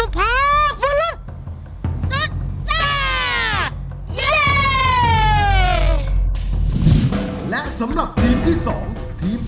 พวกเราทีมสุภาบุรุษ